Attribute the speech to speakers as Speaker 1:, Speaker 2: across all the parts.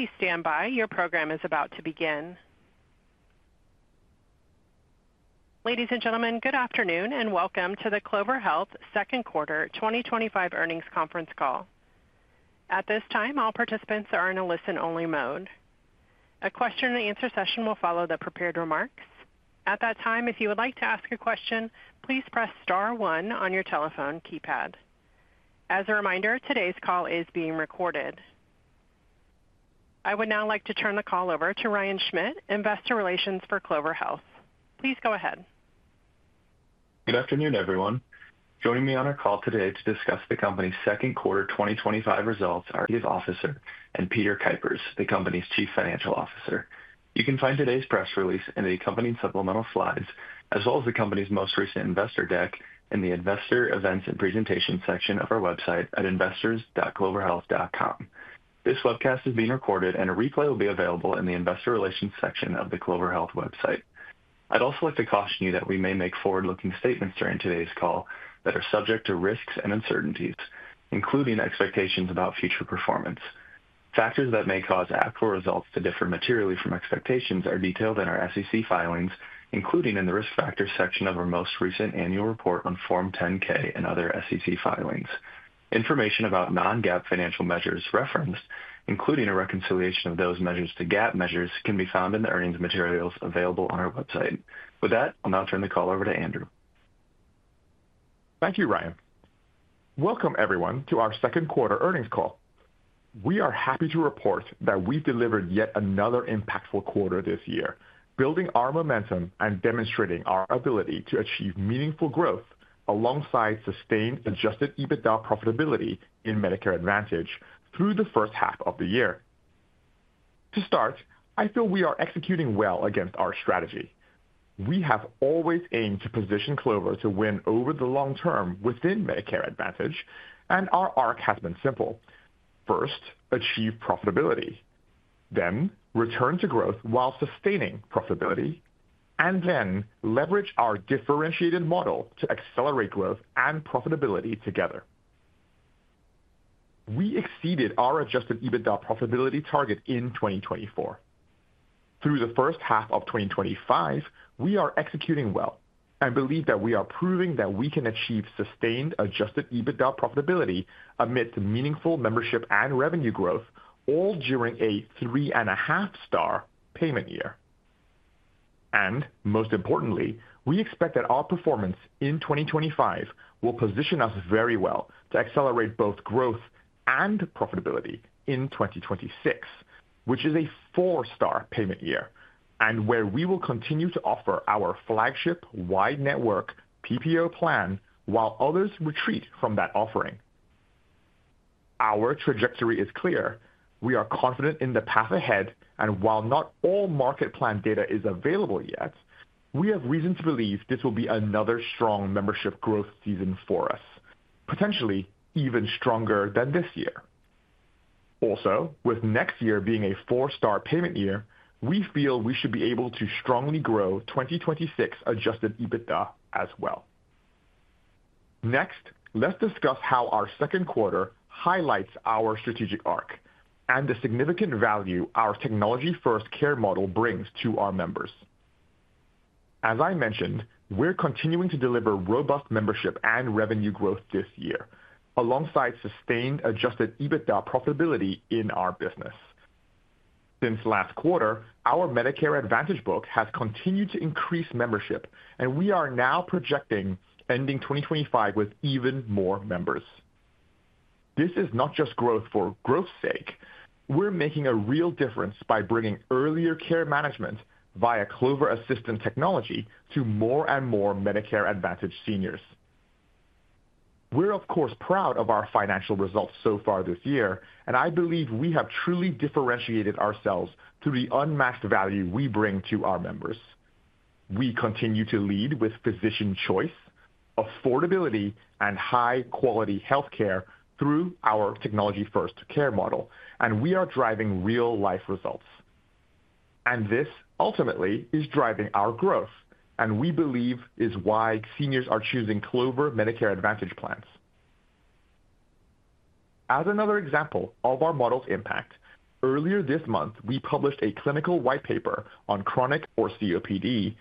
Speaker 1: Please stand by. Your program is about to begin. Ladies and gentlemen, good afternoon and welcome to the Clover Health Second Quarter 2025 Earnings Conference Call. At this time, all participants are in a listen-only mode. A question and answer session will follow the prepared remarks. At that time, if you would like to ask a question, please press star one on your telephone keypad. As a reminder, today's call is being recorded. I would now like to turn the call over to Ryan Schmidt, Investor Relations for Clover Health. Please go ahead.
Speaker 2: Good afternoon, everyone. Joining me on our call today to discuss the company's second quarter 2025 results are the Chief Officer and Peter Kuipers, the company's Chief Financial Officer. You can find today's press release and the accompanying supplemental slides, as well as the company's most recent investor deck in the Investor Events and Presentations section of our website at investors.cloverhealth.com. This webcast is being recorded, and a replay will be available in the Investor Relations section of the Clover Health website. I'd also like to caution you that we may make forward-looking statements during today's call that are subject to risks and uncertainties, including expectations about future performance. Factors that may cause actual results to differ materially from expectations are detailed in our SEC filings, including in the Risk Factors section of our most recent annual report on Form 10-K and other SEC filings. Information about non-GAAP financial measures referenced, including a reconciliation of those measures to GAAP measures, can be found in the earnings materials available on our website. With that, I'll now turn the call over to Andrew.
Speaker 3: Thank you, Ryan. Welcome, everyone, to our second quarter earnings call. We are happy to report that we delivered yet another impactful quarter this year, building our momentum and demonstrating our ability to achieve meaningful growth alongside sustained adjusted EBITDA profitability in Medicare Advantage through the first half of the year. To start, I feel we are executing well against our strategy. We have always aimed to position Clover Health to win over the long term within Medicare Advantage, and our arc has been simple: first, achieve profitability, then return to growth while sustaining profitability, and then leverage our differentiated model to accelerate growth and profitability together. We exceeded our adjusted EBITDA profitability target in 2024. Through the first half of 2025, we are executing well and believe that we are proving that we can achieve sustained adjusted EBITDA profitability amidst meaningful membership and revenue growth, all during a three and a half star payment year. Most importantly, we expect that our performance in 2025 will position us very well to accelerate both growth and profitability in 2026, which is a four-star payment year and where we will continue to offer our flagship wide network PPO plan while others retreat from that offering. Our trajectory is clear. We are confident in the path ahead, and while not all market plan data is available yet, we have reason to believe this will be another strong membership growth season for us, potentially even stronger than this year. Also, with next year being a four-star payment year, we feel we should be able to strongly grow 2026 adjusted EBITDA as well. Next, let's discuss how our second quarter highlights our strategic arc and the significant value our technology-first care model brings to our members. As I mentioned, we're continuing to deliver robust membership and revenue growth this year alongside sustained adjusted EBITDA profitability in our business. Since last quarter, our Medicare Advantage book has continued to increase membership, and we are now projecting ending 2025 with even more members. This is not just growth for growth's sake; we're making a real difference by bringing earlier care management via Clover Assistant technology to more and more Medicare Advantage seniors. We're, of course, proud of our financial results so far this year, and I believe we have truly differentiated ourselves through the unmatched value we bring to our members. We continue to lead with physician choice, affordability, and high-quality health care through our technology-first care model, and we are driving real-life results. This ultimately is driving our growth, and we believe is why seniors are choosing Clover Medicare Advantage plans. As another example of our model's impact, earlier this month, we published a clinical white paper on chronic or COPD,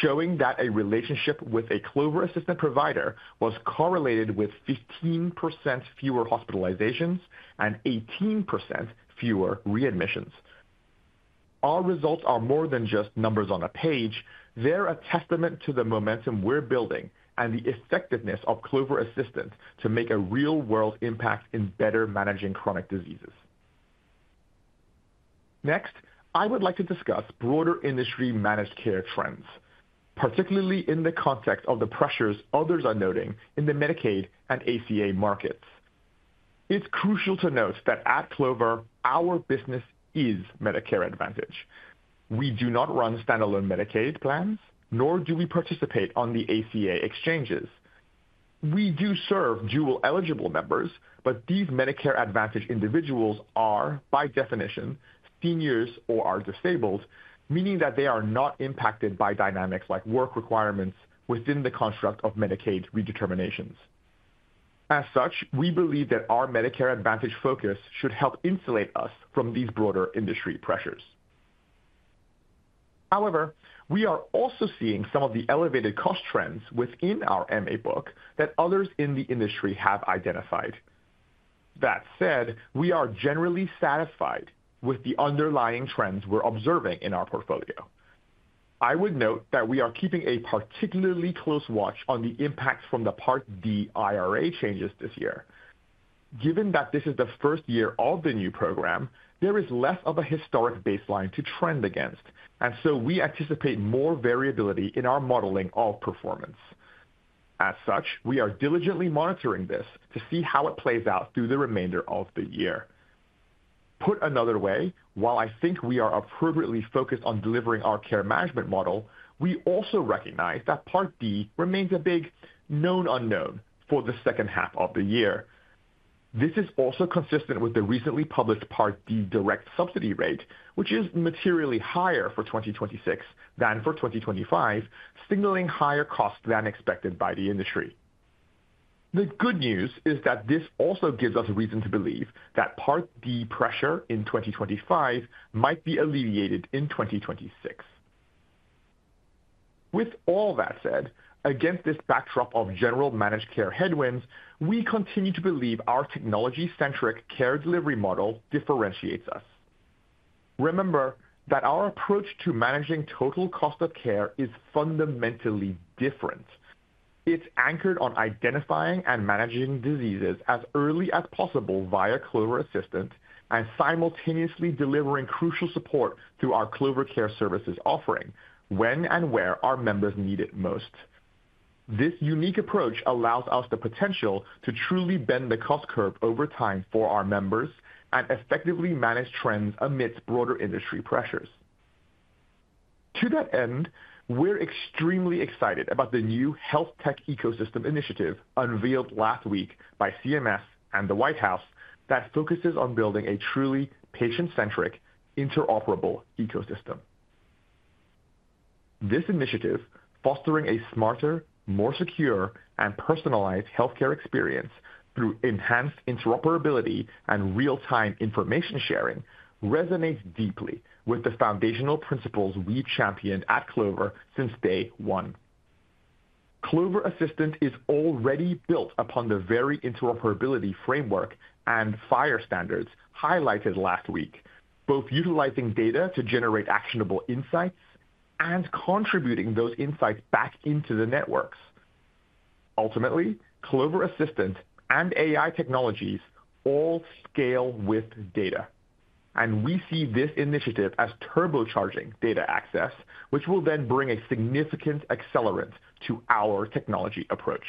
Speaker 3: showing that a relationship with a Clover Assistant provider was correlated with 15% fewer hospitalizations and 18% fewer readmissions. Our results are more than just numbers on a page. They're a testament to the momentum we're building and the effectiveness of Clover Assistant to make a real-world impact in better managing chronic diseases. Next, I would like to discuss broader industry managed care trends, particularly in the context of the pressures others are noting in the Medicaid and ACA markets. It's crucial to note that at Clover, our business is Medicare Advantage. We do not run standalone Medicaid plans, nor do we participate on the ACA exchanges. We do serve dual eligible members, but these Medicare Advantage individuals are, by definition, seniors or are disabled, meaning that they are not impacted by dynamics like work requirements within the construct of Medicaid redeterminations. As such, we believe that our Medicare Advantage focus should help insulate us from these broader industry pressures. However, we are also seeing some of the elevated cost trends within our MA book that others in the industry have identified. That said, we are generally satisfied with the underlying trends we're observing in our portfolio. I would note that we are keeping a particularly close watch on the impacts from the Part D IRA changes this year. Given that this is the first year of the new program, there is less of a historic baseline to trend against, and we anticipate more variability in our modeling of performance. As such, we are diligently monitoring this to see how it plays out through the remainder of the year. Put another way, while I think we are appropriately focused on delivering our care management model, we also recognize that Part D remains a big known unknown for the second half of the year. This is also consistent with the recently published Part D direct subsidy rate, which is materially higher for 2026 than for 2025, signaling higher costs than expected by the industry. The good news is that this also gives us reason to believe that Part D pressure in 2025 might be alleviated in 2026. With all that said, against this backdrop of general managed care headwinds, we continue to believe our technology-centric care delivery model differentiates us. Remember that our approach to managing total cost of care is fundamentally different. It's anchored on identifying and managing diseases as early as possible via Clover Assistant and simultaneously delivering crucial support through our Clover Care Services offering when and where our members need it most. This unique approach allows us the potential to truly bend the cost curve over time for our members and effectively manage trends amidst broader industry pressures. To that end, we're extremely excited about the new Health Tech Ecosystem Initiative unveiled last week by CMS and the White House that focuses on building a truly patient-centric, interoperable ecosystem. This initiative, fostering a smarter, more secure, and personalized healthcare experience through enhanced interoperability and real-time information sharing, resonates deeply with the foundational principles we championed at Clover since day one. Clover Assistant is already built upon the very interoperability framework and FHIR standards highlighted last week, both utilizing data to generate actionable insights and contributing those insights back into the networks. Ultimately, Clover Assistant and AI technologies all scale with data, and we see this initiative as turbocharging data access, which will then bring a significant accelerant to our technology approach.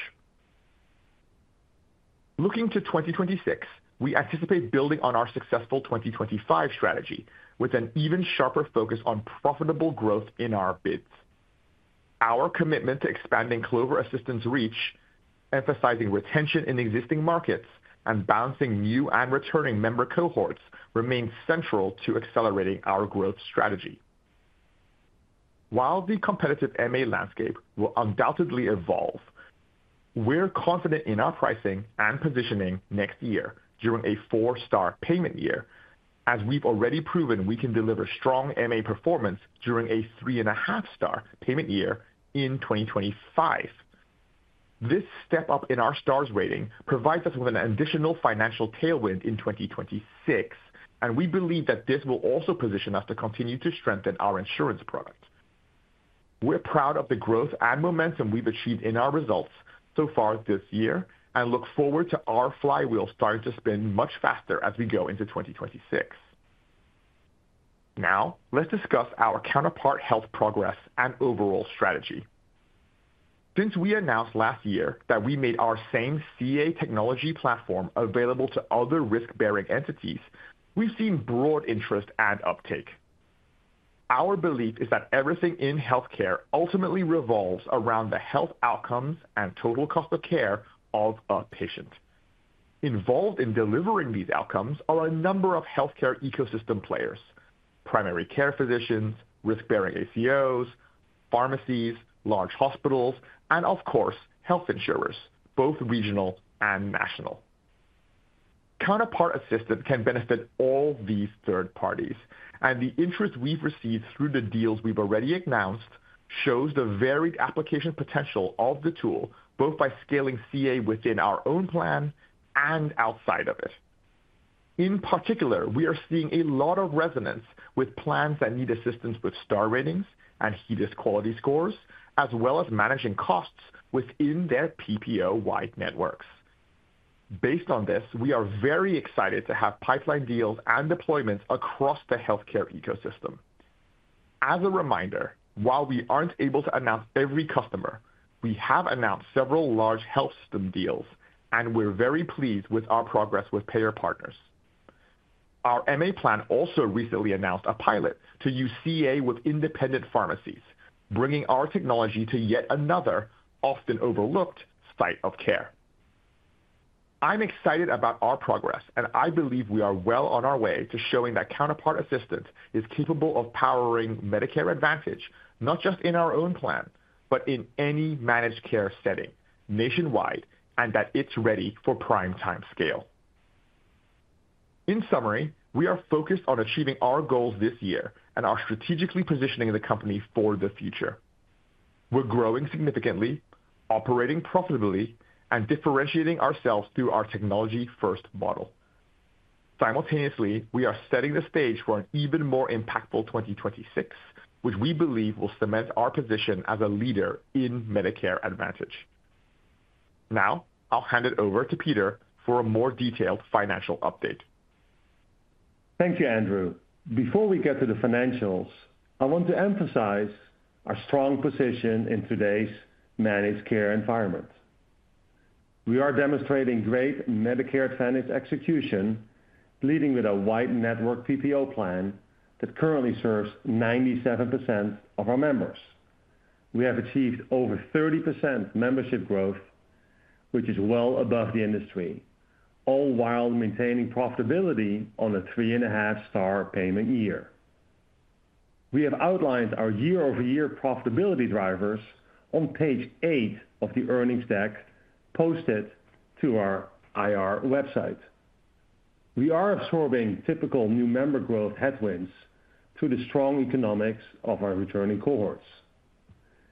Speaker 3: Looking to 2026, we anticipate building on our successful 2025 strategy with an even sharper focus on profitable growth in our bids. Our commitment to expanding Clover Assistant's reach, emphasizing retention in existing markets, and balancing new and returning member cohorts remains central to accelerating our growth strategy. While the competitive MA landscape will undoubtedly evolve, we're confident in our pricing and positioning next year during a four-star payment year, as we've already proven we can deliver strong MA performance during a three and a half star payment year in 2025. This step up in our stars rating provides us with an additional financial tailwind in 2026, and we believe that this will also position us to continue to strengthen our insurance product. We're proud of the growth and momentum we've achieved in our results so far this year and look forward to our flywheel starting to spin much faster as we go into 2026. Now, let's discuss our Counterpart Health progress and overall strategy. Since we announced last year that we made our same CA technology platform available to other risk-bearing entities, we've seen broad interest and uptake. Our belief is that everything in healthcare ultimately revolves around the health outcomes and total cost of care of a patient. Involved in delivering these outcomes are a number of healthcare ecosystem players: primary care physicians, risk-bearing ACOs, pharmacies, large hospitals, and of course, health insurers, both regional and national. Counterpart Assistant can benefit all these third parties, and the interest we've received through the deals we've already announced shows the varied application potential of the tool, both by scaling CA within our own plan and outside of it. In particular, we are seeing a lot of resonance with plans that need assistance with star ratings and HEDIS quality scores, as well as managing costs within their PPO-wide networks. Based on this, we are very excited to have pipeline deals and deployments across the healthcare ecosystem. As a reminder, while we aren't able to announce every customer, we have announced several large health system deals, and we're very pleased with our progress with payer partners. Our MA plan also recently announced a pilot to use CA with independent pharmacies, bringing our technology to yet another, often overlooked, site of care. I'm excited about our progress, and I believe we are well on our way to showing that Counterpart Assistant is capable of powering Medicare Advantage, not just in our own plan, but in any managed care setting nationwide, and that it's ready for prime-time scale. In summary, we are focused on achieving our goals this year and are strategically positioning the company for the future. We're growing significantly, operating profitably, and differentiating ourselves through our technology-first model. Simultaneously, we are setting the stage for an even more impactful 2026, which we believe will cement our position as a leader in Medicare Advantage. Now, I'll hand it over to Peter for a more detailed financial update.
Speaker 4: Thank you, Andrew. Before we get to the financials, I want to emphasize our strong position in today's managed care environment. We are demonstrating great Medicare Advantage execution, leading with a wide network PPO plan that currently serves 97% of our members. We have achieved over 30% membership growth, which is well above the industry, all while maintaining profitability on a three and a half star payment year. We have outlined our year-over-year profitability drivers on page eight of the earnings deck posted to our IR website. We are absorbing typical new member growth headwinds through the strong economics of our returning cohorts.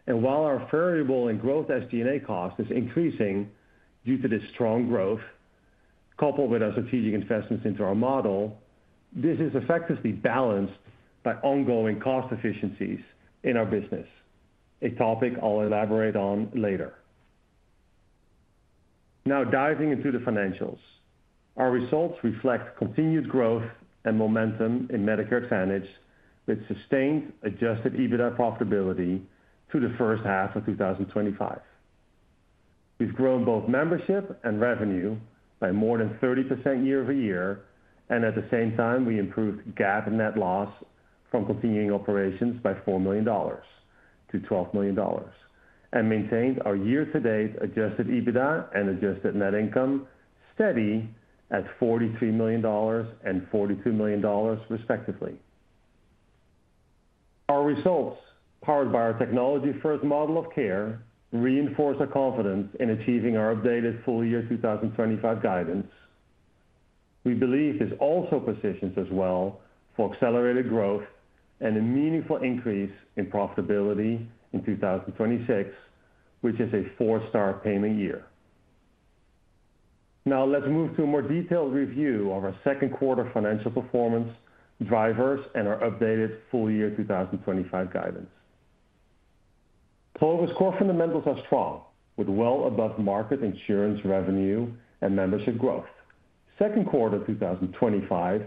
Speaker 4: While our variable in growth SG&A cost is increasing due to this strong growth, coupled with our strategic investments into our model, this is effectively balanced by ongoing cost efficiencies in our business, a topic I'll elaborate on later. Now diving into the financials, our results reflect continued growth and momentum in Medicare Advantage with sustained adjusted EBITDA profitability through the first half of 2025. We've grown both membership and revenue by more than 30% year-over-year, and at the same time, we improved GAAP net loss from continuing operations by $4 million to $12 million and maintained our year-to-date adjusted EBITDA and adjusted net income steady at $43 million and $42 million, respectively. Our results, powered by our technology-first model of care, reinforce our confidence in achieving our updated full-year 2025 guidance. We believe this also positions us well for accelerated growth and a meaningful increase in profitability in 2026, which is a four-star payment year. Now, let's move to a more detailed review of our second quarter financial performance drivers and our updated full-year 2025 guidance. Clover's core fundamentals are strong, with well above market insurance revenue and membership growth. Second quarter 2025,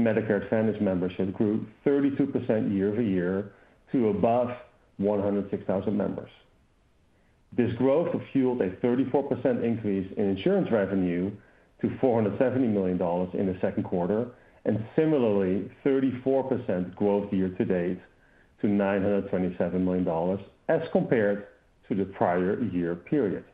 Speaker 4: Medicare Advantage membership grew 32% year-over-year to above 106,000 members. This growth fueled a 34% increase in insurance revenue to $470 million in the second quarter, and similarly, 34% growth year-to-date to $927 million as compared to the prior year period.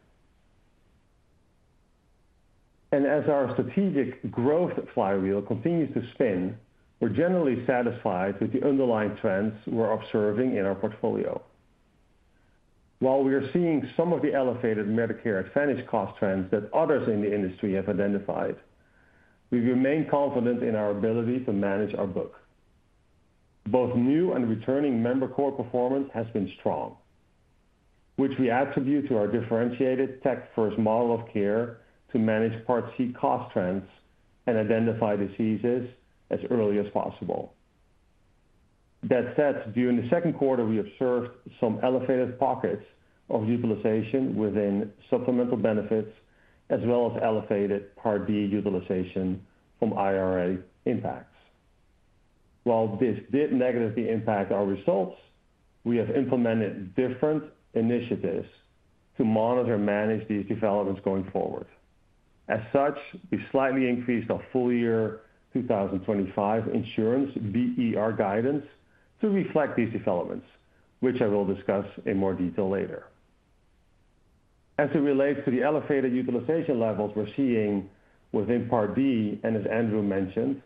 Speaker 4: As our strategic growth flywheel continues to spin, we're generally satisfied with the underlying trends we're observing in our portfolio. While we are seeing some of the elevated Medicare Advantage cost trends that others in the industry have identified, we remain confident in our ability to manage our book. Both new and returning member core performance has been strong, which we attribute to our differentiated tech-first model of care to manage Part C cost trends and identify diseases as early as possible. That said, during the second quarter, we observed some elevated pockets of utilization within supplemental benefits, as well as elevated Part D utilization from IRA impacts. While this did negatively impact our results, we have implemented different initiatives to monitor and manage these developments going forward. As such, we slightly increased our full-year 2025 insurance BER guidance to reflect these developments, which I will discuss in more detail later. As it relates to the elevated utilization levels we're seeing within Part D, and as Andrew mentioned,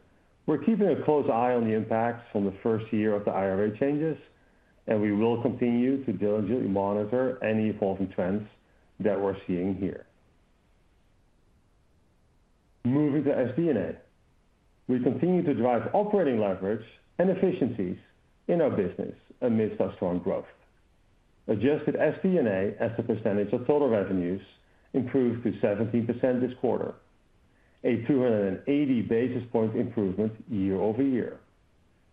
Speaker 4: we're keeping a close eye on the impacts from the first year of the IRA changes, and we will continue to diligently monitor any evolving trends that we're seeing here. Moving to SG&A, we continue to drive operating leverage and efficiencies in our business amidst our strong growth. Adjusted SG&A as the percentage of total revenues improved to 17% this quarter, a 280 basis point improvement year-over-year.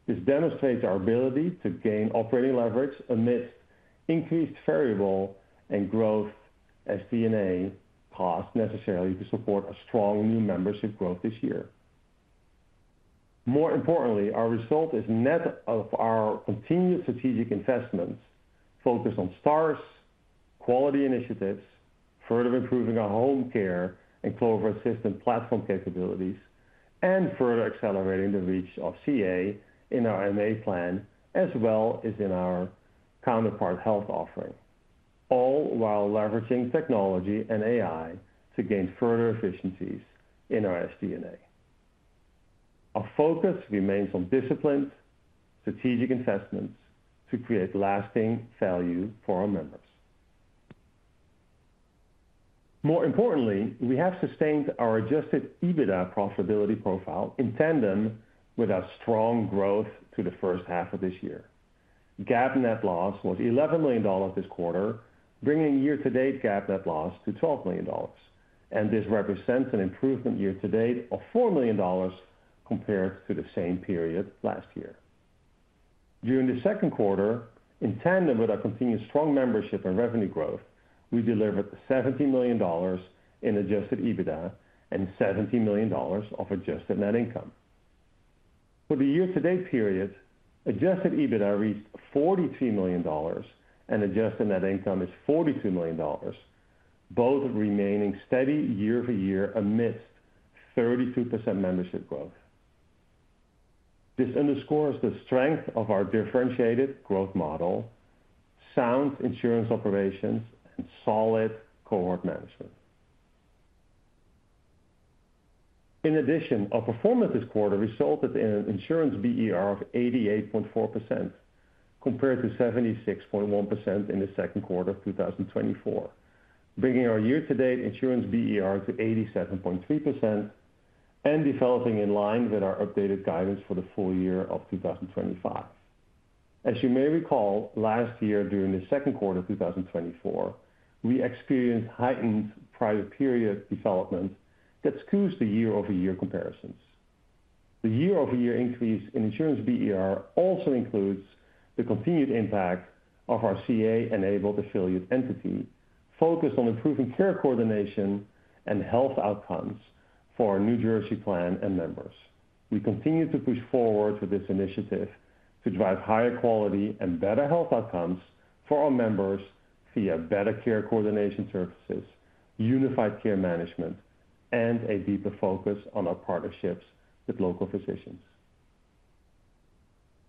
Speaker 4: This demonstrates our ability to gain operating leverage amidst increased variable and growth SG&A costs necessary to support a strong new membership growth this year. More importantly, our result is net of our continued strategic investments focused on stars, quality initiatives, further improving our home care and Clover Assistant platform capabilities, and further accelerating the reach of CA in our MA plan, as well as in our Counterpart Health offering, all while leveraging technology and AI to gain further efficiencies in our SG&A. Our focus remains on disciplined strategic investments to create lasting value for our members. More importantly, we have sustained our adjusted EBITDA profitability profile in tandem with our strong growth through the first half of this year. GAAP net loss was $11 million this quarter, bringing year-to-date GAAP net loss to $12 million, and this represents an improvement year-to-date of $4 million compared to the same period last year. During the second quarter, in tandem with our continued strong membership and revenue growth, we delivered $17 million in adjusted EBITDA and $17 million of adjusted net income. For the year-to-date period, adjusted EBITDA reached $43 million, and adjusted net income is $42 million, both remaining steady year-over-year amidst 32% membership growth. This underscores the strength of our differentiated growth model, sound insurance operations, and solid cohort management. In addition, our performance this quarter resulted in an insurance BER of 88.4% compared to 76.1% in the second quarter of 2024, bringing our year-to-date insurance BER to 87.3% and developing in line with our updated guidance for the full year of 2025. As you may recall, last year, during the second quarter of 2024, we experienced heightened prior period development that skews the year-over-year comparisons. The year-over-year increase in insurance BER also includes the continued impact of our CA-enabled affiliate entity focused on improving care coordination and health outcomes for our New Jersey plan and members. We continue to push forward with this initiative to drive higher quality and better health outcomes for our members via better care coordination services, unified care management, and a deeper focus on our partnerships with local physicians.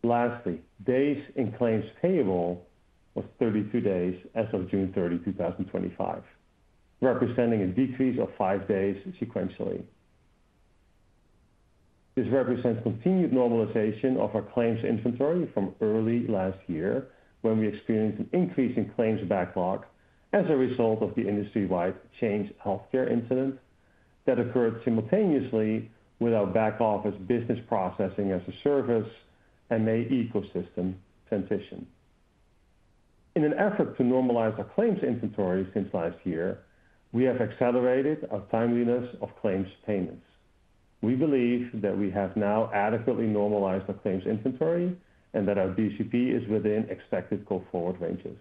Speaker 4: Lastly, days in claims payable were 32 days as of June 30, 2025, representing a decrease of five days sequentially. This represents continued normalization of our claims inventory from early last year, when we experienced an increase in claims backlog as a result of the industry wide change healthcare incident that occurred simultaneously with our back-office business processing as a service and ecosystem transition. In an effort to normalize our claims inventory since last year, we have accelerated our timeliness of claims payments. We believe that we have now adequately normalized our claims inventory and that our BCP is within expected go-forward ranges.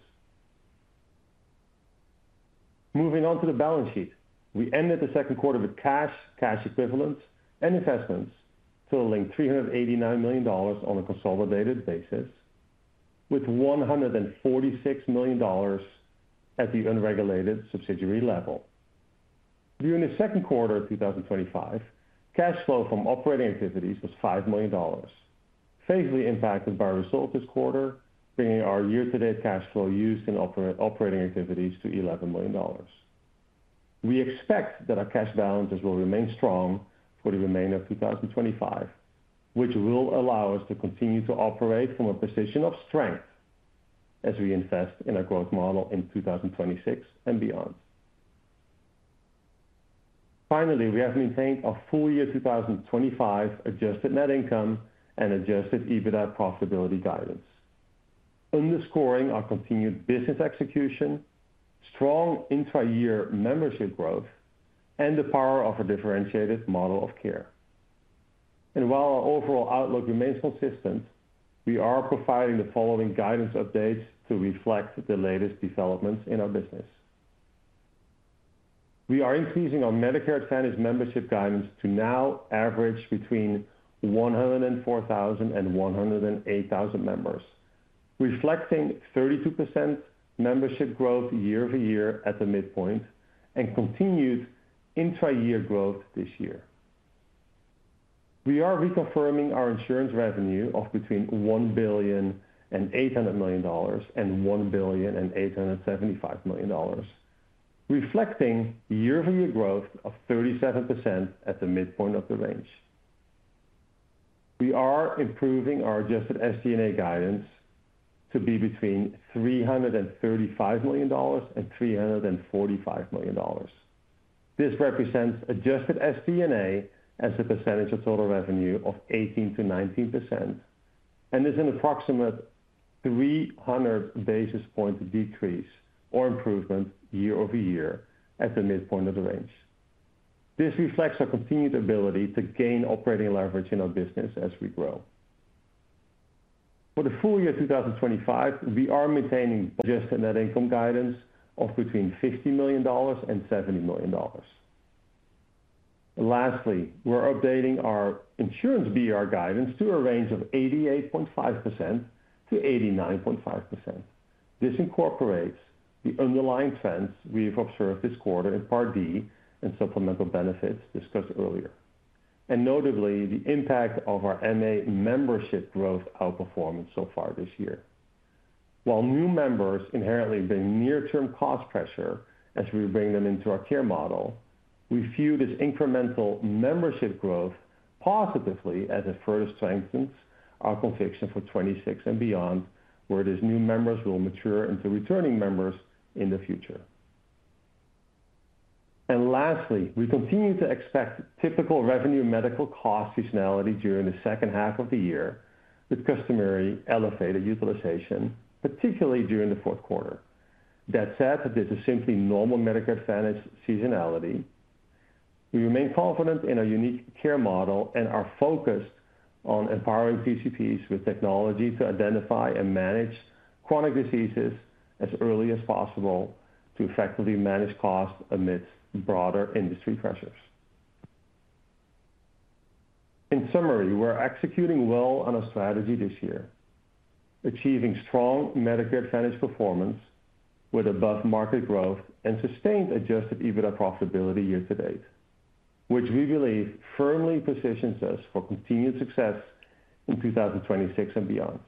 Speaker 4: Moving on to the balance sheet, we ended the second quarter with cash, cash equivalents, and investments totaling $389 million on a consolidated basis, with $146 million at the unregulated subsidiary level. During the second quarter of 2025, cash flow from operating activities was $5 million, favorably impacted by our results this quarter, bringing our year-to-date cash flow used in operating activities to $11 million. We expect that our cash balances will remain strong for the remainder of 2025, which will allow us to continue to operate from a position of strength as we invest in our growth model in 2026 and beyond. Finally, we have maintained our full-year 2025 adjusted net income and adjusted EBITDA profitability guidance, underscoring our continued business execution, strong intra-year membership growth, and the power of a differentiated model of care. While our overall outlook remains consistent, we are providing the following guidance updates to reflect the latest developments in our business. We are increasing our Medicare Advantage membership guidance to now average between 104,000 and 108,000 members, reflecting 32% membership growth year-over-year at the midpoint and continued intra-year growth this year. We are reconfirming our insurance revenue of between $1.8 billion and $1.875 billion, reflecting year-over-year growth of 37% at the midpoint of the range. We are improving our adjusted SG&A guidance to be between $335 million and $345 million. This represents adjusted SG&A as a percentage of total revenue of 18%-19%, and is an approximate 300 basis point decrease or improvement year-over-year at the midpoint of the range. This reflects our continued ability to gain operating leverage in our business as we grow. For the full year 2025, we are maintaining adjusted net income guidance of between $50 million and $70 million. Lastly, we're updating our insurance BER guidance to a range of 88.5% to 89.5%. This incorporates the underlying trends we've observed this quarter in Part D and supplemental benefits discussed earlier, and notably the impact of our MA membership growth outperformance so far this year. While new members inherently bring near-term cost pressure as we bring them into our care model, we view this incremental membership growth positively as it further strengthens our conviction for 2026 and beyond, where these new members will mature into returning members in the future. Lastly, we continue to expect typical revenue medical cost seasonality during the second half of the year, with customary elevated utilization, particularly during the fourth quarter. That said, this is simply normal Medicare Advantage seasonality. We remain confident in our unique care model and our focus on empowering PCPs with technology to identify and manage chronic diseases as early as possible to effectively manage costs amidst broader industry pressures. In summary, we're executing well on our strategy this year, achieving strong Medicare Advantage performance with above market growth and sustained adjusted EBITDA profitability year-to-date, which we believe firmly positions us for continued success in 2026 and beyond.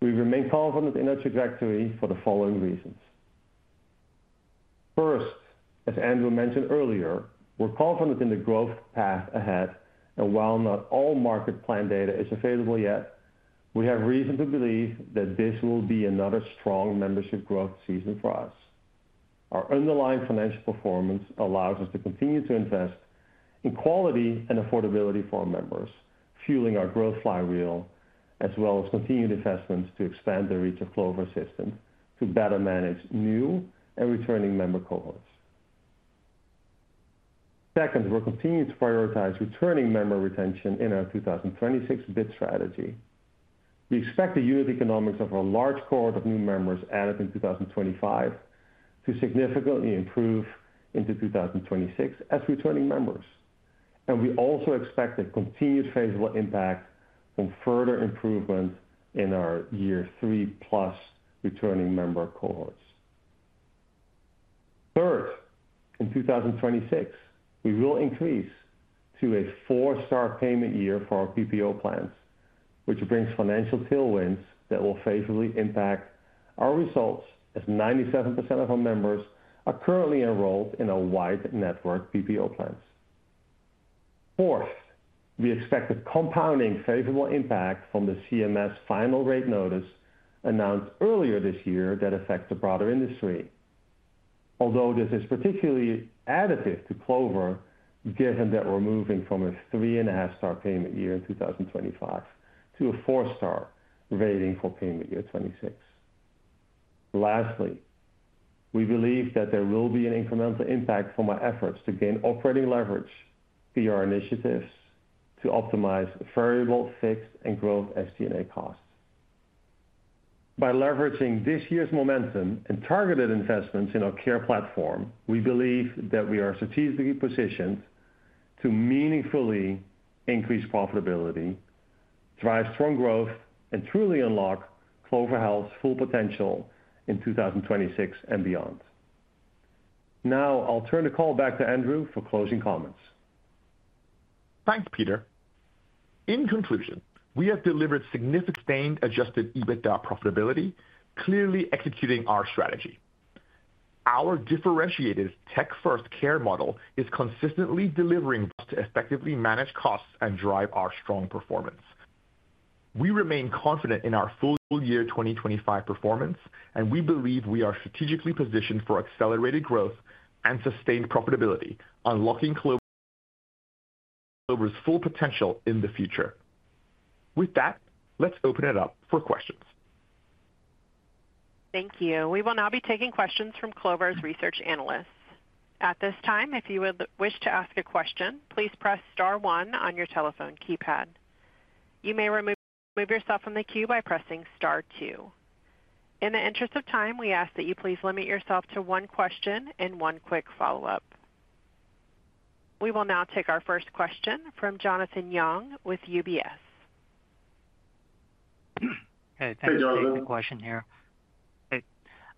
Speaker 4: We remain confident in our trajectory for the following reasons. First, as Andrew mentioned earlier, we're confident in the growth path ahead, and while not all market plan data is available yet, we have reason to believe that this will be another strong membership growth season for us. Our underlying financial performance allows us to continue to invest in quality and affordability for our members, fueling our growth flywheel, as well as continued investments to expand the reach of Clover Assistant to better manage new and returning member cohorts. Second, we're continuing to prioritize returning member retention in our 2026 bid strategy. We expect the unit economics of our large cohort of new members added in 2025 to significantly improve into 2026 as returning members, and we also expect a continued favorable impact on further improvements in our year three plus returning member cohorts. Third, in 2026, we will increase to a four-star payment year for our PPO plans, which brings financial tailwinds that will favorably impact our results, as 97% of our members are currently enrolled in our wide network PPO plans. Fourth, we expect a compounding favorable impact from the CMS final rate notice announced earlier this year that affects the broader industry. Although this is particularly additive to Clover, given that we're moving from a three and a half star payment year in 2025 to a four-star rating for payment year 2026. Lastly, we believe that there will be an incremental impact from our efforts to gain operating leverage through our initiatives to optimize variable fixed and growth SG&A costs. By leveraging this year's momentum and targeted investments in our care platform, we believe that we are strategically positioned to meaningfully increase profitability, drive strong growth, and truly unlock Clover Health's full potential in 2026 and beyond. Now, I'll turn the call back to Andrew for closing comments.
Speaker 3: Thank you, Peter. In conclusion, we have delivered significant sustained adjusted EBITDA profitability, clearly executing our strategy. Our differentiated tech-first care model is consistently delivering to effectively manage costs and drive our strong performance. We remain confident in our full-year 2025 performance, and we believe we are strategically positioned for accelerated growth and sustained profitability, unlocking Clover's full potential in the future. With that, let's open it up for questions.
Speaker 1: Thank you. We will now be taking questions from Clover's research analysts. At this time, if you would wish to ask a question, please press star one on your telephone keypad. You may remove yourself from the queue by pressing star two. In the interest of time, we ask that you please limit yourself to one question and one quick follow-up. We will now take our first question from Jonathan Young with UBS.
Speaker 5: Hey, thanks for taking the question here.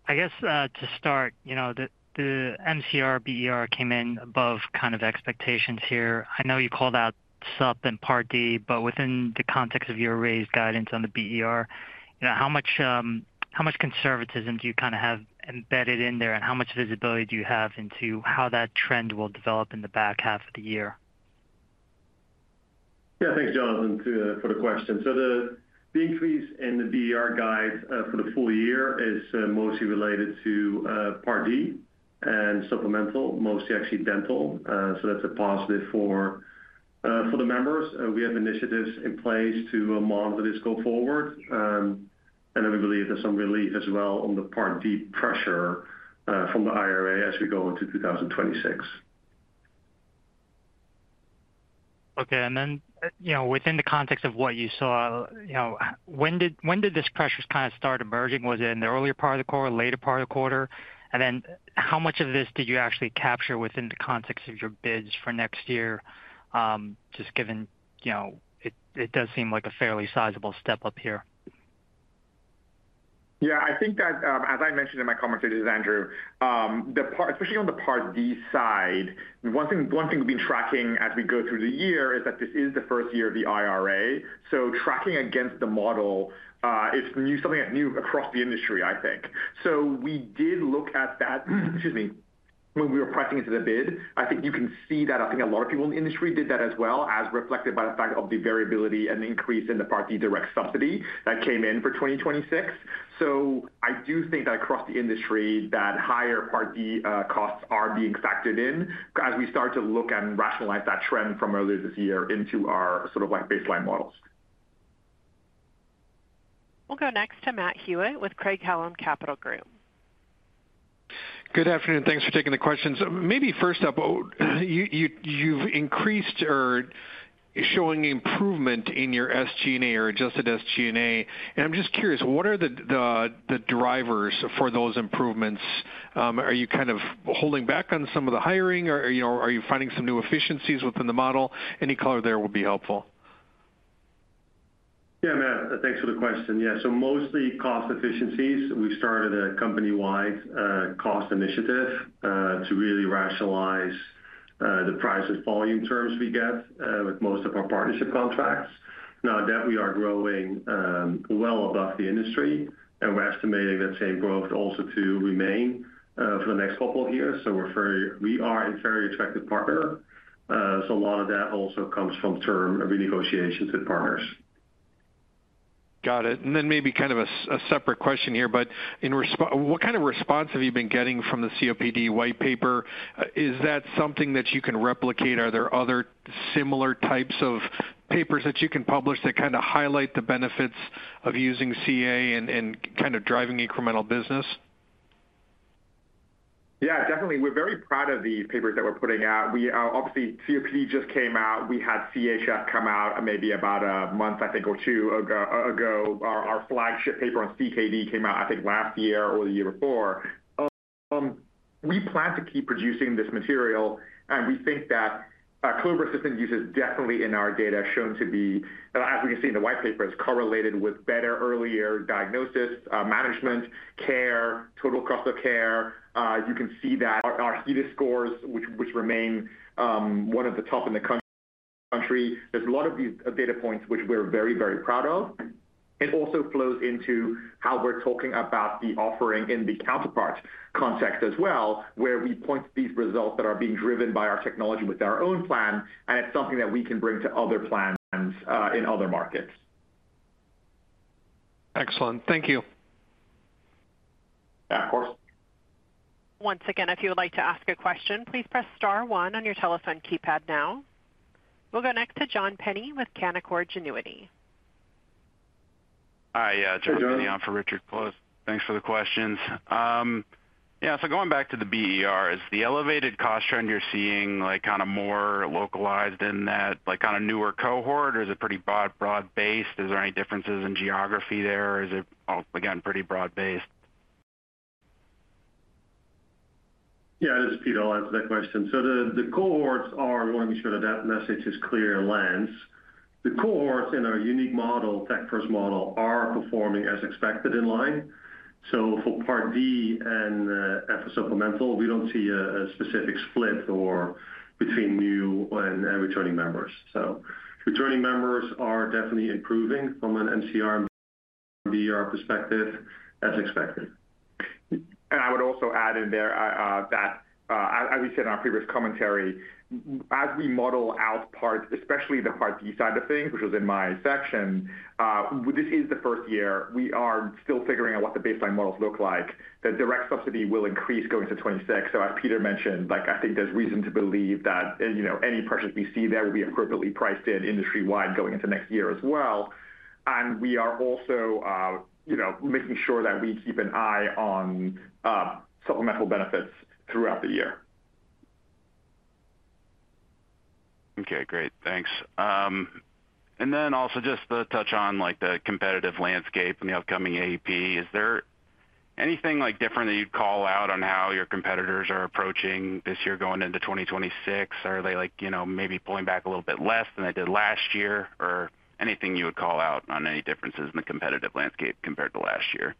Speaker 5: I guess to start, you know the MCR BER came in above kind of expectations here. I know you called out sub and Part D, but within the context of your raised guidance on the BER, you know how much conservatism do you kind of have embedded in there, and how much visibility do you have into how that trend will develop in the back half of the year?
Speaker 4: Yeah, thanks, Jonathan, for the question. The increase in the BER guide for the full year is mostly related to Part D and supplemental, mostly accidental. That's a positive for the members. We have initiatives in place to monitor this go forward, and we believe there's some relief as well on the Part D pressure from the IRA as we go into 2026.
Speaker 5: Okay, within the context of what you saw, when did this pressure kind of start emerging? Was it in the earlier part of the quarter or later part of the quarter? How much of this did you actually capture within the context of your bids for next year? It does seem like a fairly sizable step up here.
Speaker 3: Yeah, I think that as I mentioned in my commentary to Andrew, especially on the Part D side, one thing we've been tracking as we go through the year is that this is the first year of the IRA. Tracking against the model, it's something new across the industry, I think. We did look at that, excuse me, when we were prepping it to the bid. I think you can see that a lot of people in the industry did that as well, as reflected by the fact of the variability and the increase in the Part D direct subsidy that came in for 2026. I do think that across the industry, higher Part D costs are being factored in as we start to look and rationalize that trend from earlier this year into our sort of like baseline models.
Speaker 1: We'll go next to Matt Hewitt with Craig-Hallum Capital Group.
Speaker 6: Good afternoon. Thanks for taking the questions. Maybe first up, you've increased or are showing improvement in your SG&A or adjusted SG&A. I'm just curious, what are the drivers for those improvements? Are you kind of holding back on some of the hiring or are you finding some new efficiencies within the model? Any color there would be helpful.
Speaker 4: Yeah, Matt, thanks for the question. Mostly cost efficiencies. We've started a company-wide cost initiative to really rationalize the price of volume terms we get with most of our partnership contracts. Now that we are growing well above the industry, and we're estimating that same growth also to remain for the next couple of years, we are a very attractive partner. A lot of that also comes from term renegotiations with partners.
Speaker 6: Got it. Maybe kind of a separate question here, but in what kind of response have you been getting from the COPD white paper? Is that something that you can replicate? Are there other similar types of papers that you can publish that highlight the benefits of using CA and kind of driving incremental business?
Speaker 3: Yeah, definitely. We're very proud of the papers that we're putting out. Obviously, COPD just came out. We had CHF come out maybe about a month, I think, or two ago. Our flagship paper on CKD came out, I think, last year or the year before. We plan to keep producing this material, and we think that Clover Assistant use is definitely in our data shown to be, as we can see in the white paper, is correlated with better earlier diagnosis, management, care, total cost of care. You can see that our HEDIS scores, which remain one of the top in the country, there's a lot of these data points, which we're very, very proud of. It also flows into how we're talking about the offering in the Counterpart context as well, where we point to these results that are being driven by our technology with our own plan, and it's something that we can bring to other plans in other markets.
Speaker 6: Excellent. Thank you.
Speaker 4: Yeah, of course.
Speaker 1: Once again, if you would like to ask a question, please press star one on your telephone keypad now. We'll go next to John Pinney with Canaccord Genuity.
Speaker 7: Hi, John Granville Pinney on for Richard Close. Thanks for the questions. Going back to the BER, is the elevated cost trend you're seeing more localized in that newer cohort, or is it pretty broad-based? Is there any differences in geography there, or is it all again pretty broad-based?
Speaker 4: Yeah, this is Peter. I'll answer that question. The cohorts are, I want to make sure that that message is clear and lands. The cohorts in our unique model, tech-first model, are performing as expected in line. For Part D and F as supplemental, we don't see a specific split between new and returning members. Returning members are definitely improving from an MCR and BER perspective as expected.
Speaker 3: I would also add in there that, as we said in our previous commentary, as we model out parts, especially the Part D side of things, which was in my section, this is the first year we are still figuring out what the baseline models look like. The direct subsidy will increase going to 2026. As Peter mentioned, I think there's reason to believe that any pressures we see there will be appropriately priced in industry-wide going into next year as well. We are also making sure that we keep an eye on supplemental benefits throughout the year.
Speaker 7: Okay, great. Thanks. Also, just to touch on the competitive landscape and the upcoming AEP, is there anything different that you'd call out on how your competitors are approaching this year going into 2026? Are they maybe pulling back a little bit less than they did last year, or anything you would call out on any differences in the competitive landscape compared to last year?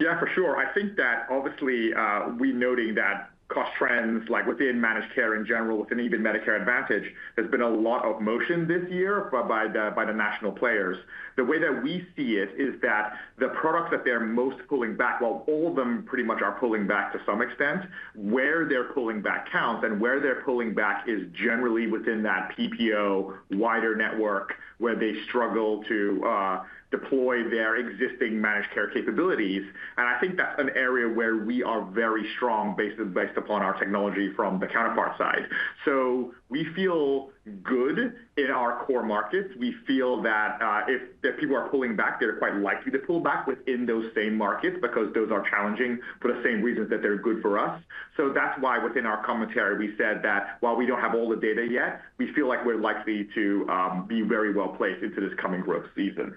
Speaker 3: Yeah, for sure. I think that obviously we're noting that cost trends, like within managed care in general, within even Medicare Advantage, there's been a lot of motion this year by the national players. The way that we see it is that the products that they're most pulling back, while all of them pretty much are pulling back to some extent, where they're pulling back counts and where they're pulling back is generally within that PPO wider network where they struggle to deploy their existing managed care capabilities. I think that's an area where we are very strong based upon our technology from the Counterpart side. We feel good in our core markets. We feel that if people are pulling back, they're quite likely to pull back within those same markets because those are challenging for the same reasons that they're good for us. That's why within our commentary, we said that while we don't have all the data yet, we feel like we're likely to be very well placed into this coming growth season.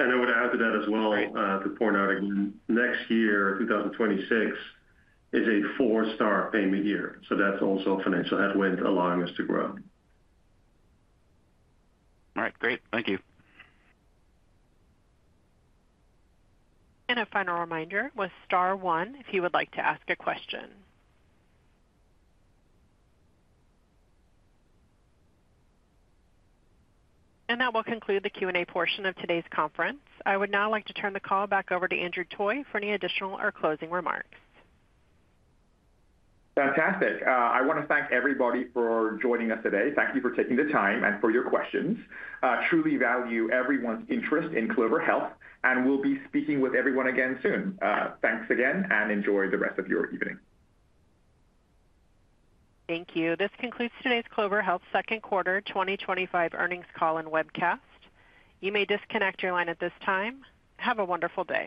Speaker 4: I would add to that as well to point out that next year, 2026, is a four-star payment year. That's also a financial headwind allowing us to grow.
Speaker 7: All right, great. Thank you.
Speaker 1: A final reminder with star one if you would like to ask a question. That will conclude the Q&A portion of today's conference. I would now like to turn the call back over to Andrew Toy for any additional or closing remarks.
Speaker 3: Fantastic. I want to thank everybody for joining us today. Thank you for taking the time and for your questions. Truly value everyone's interest in Clover Health, and we'll be speaking with everyone again soon. Thanks again, and enjoy the rest of your evening.
Speaker 1: Thank you. This concludes today's Clover Health Second Quarter 2025 Earnings Call and Webcast. You may disconnect your line at this time. Have a wonderful day.